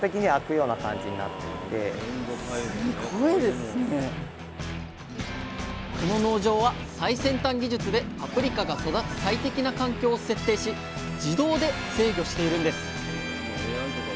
だからこの農場は最先端技術でパプリカが育つ最適な環境を設定し自動で制御しているんです。